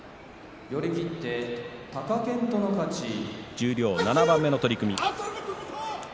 十両、７番目の取組。